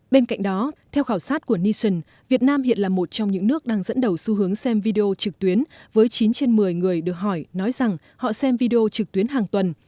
bên cạnh đó theo khảo sát của nition việt nam hiện là một trong những nước đang dẫn đầu xu hướng xem video trực tuyến với chín trên một mươi người được hỏi nói rằng họ xem video trực tuyến hàng tuần